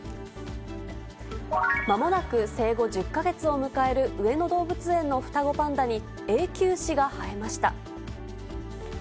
まもなく生後１０か月を迎える上野動物園の双子パンダに、永久歯が生えました。